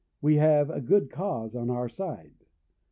We have a good cause on our side.